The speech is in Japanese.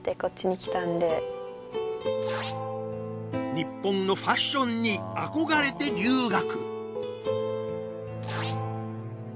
日本のファッションに憧れて留学。